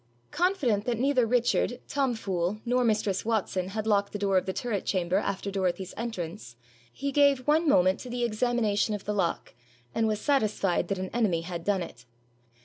Confident that neither Richard, Tom Fool, nor mistress Watson had locked the door of the turret chamber after Dorothy's entrance, he gave one moment to the examination of the lock, and was satisfied that an enemy had done it.